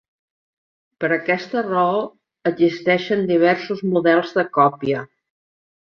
Per aquesta raó, existeixen diversos models de còpia.